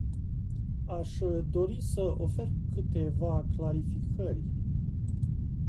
Aș dori să ofer câteva clarificări.